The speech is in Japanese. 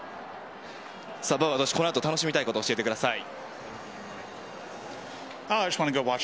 このあと楽しみたいことを教えてください。